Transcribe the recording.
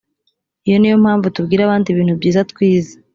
iyo ni yo mpamvu tubwira abandi ibintu byiza twize